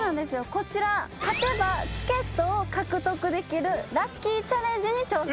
こちら勝てばチケットを獲得できるラッキィチャレンジに挑戦。